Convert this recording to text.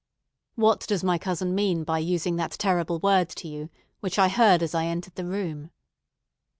"What does my cousin mean by using that terrible word to you, which I heard as I entered the room?"